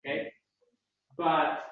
Amakivachchasining uyi tomon yoʻl oldi.